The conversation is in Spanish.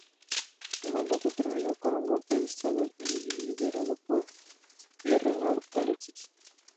Su mandato terminó con un golpe de Estado liderado por Pierre Nord Alexis.